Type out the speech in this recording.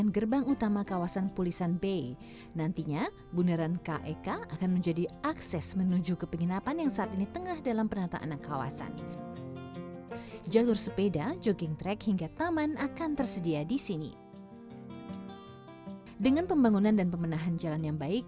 sebagai wilayah yang banyak memiliki pantai